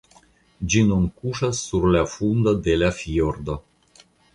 Ĝi nun kuŝas sur la fundo de la fjordo.